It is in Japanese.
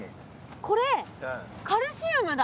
これカルシウムだ。